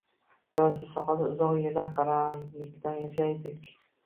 Siyosiy sohada uzoq yillar qaramlikda yashadik.